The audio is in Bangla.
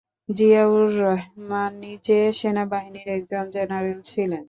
জিয়াউর রহমান নিজে সেনাবাহিনীর একজন জেনারেল ছিলেন।